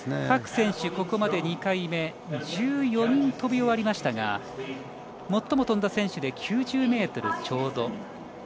各選手、ここまで２回目１４人飛び終わりましたが最も飛んだ選手で９０ｍちょうど。